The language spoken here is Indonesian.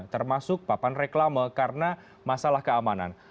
termasuk papan reklame karena masalah keamanan